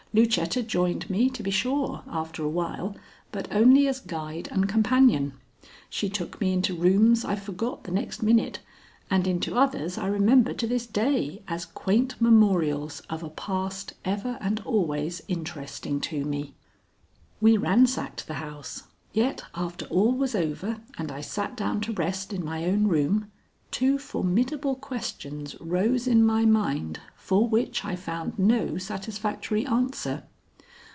Lucetta joined me, to be sure, after a while, but only as guide and companion. She took me into rooms I forgot the next minute, and into others I remember to this day as quaint memorials of a past ever and always interesting to me. We ransacked the house, yet after all was over and I sat down to rest in my own room, two formidable questions rose in my mind for which I found no satisfactory answer.